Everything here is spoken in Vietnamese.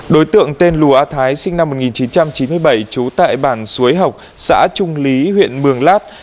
đối tượng tên lùa a thái sinh năm một nghìn chín trăm chín mươi bảy trú tại bản xuối học xã trung lý huyện mường lát